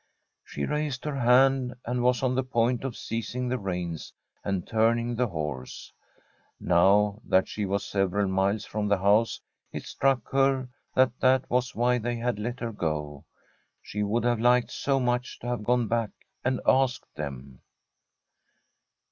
She raised her hand, and was on the point of seizing the reins and turning the horse. Now that she was several miles m>m the house it struck her that that was (104] Tbi STORY of a COUNTRY HOUSE why they had let her go. She would have liked so much to have gone back and asked them.